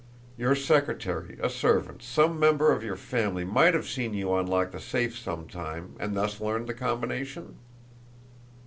"Your secretary a servant some member of your family might have seen you unlock the safe some time, and thus learned the combination?"